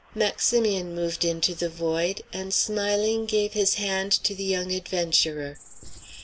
Maximian moved into the void, and smiling gave his hand to the young adventurer.